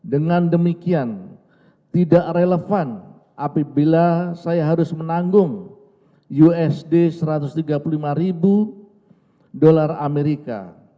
dengan demikian tidak relevan apabila saya harus menanggung usd satu ratus tiga puluh lima ribu dolar amerika